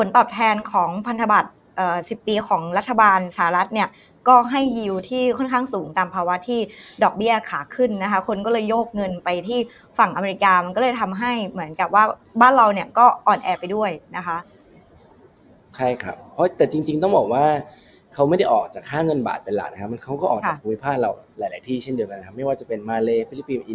ตอบแทนของพันธบาทเอ่อสิบปีของรัฐบาลสหรัฐเนี้ยก็ให้ยิวที่ค่อนข้างสูงตามภาวะที่ดอกเบี้ยขาขึ้นนะคะคนก็เลยโยกเงินไปที่ฝั่งอเมริกามันก็เลยทำให้เหมือนกับว่าบ้านเราเนี้ยก็อ่อนแอไปด้วยนะคะใช่ครับเฮ้ยแต่จริงจริงต้องบอกว่าเขาไม่ได้ออกจากค่าเงินบาทเป็นหลายนะครับมันเขาก็ออกจากภู